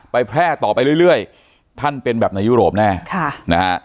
แพร่ต่อไปเรื่อยท่านเป็นแบบในยุโรปแน่ค่ะนะฮะ